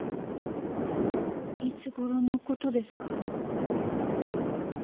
いつごろのことですか？